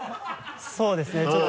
そうですねちょっと。